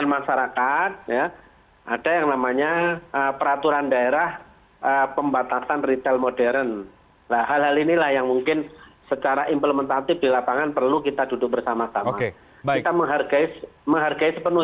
masalah retail modern